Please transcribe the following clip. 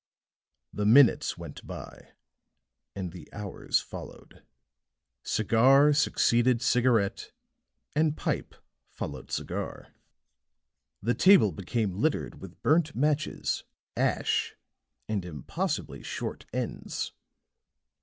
The minutes went by, and the hours followed; cigar succeeded cigarette and pipe followed cigar; the table became littered with burnt matches, ash, and impossibly short ends.